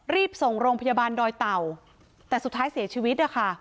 รีบส่งโรงพยาบาลดอยเต่าแต่สุดท้ายเสียชีวิตนะคะ